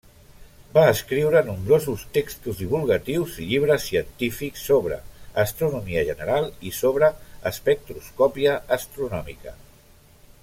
Va escriure nombrosos textos divulgatius i llibres científics sobre astronomia general i sobre espectroscòpia astronòmica.